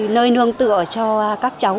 nơi nương tựa cho các cháu